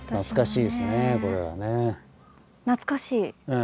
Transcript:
ええ。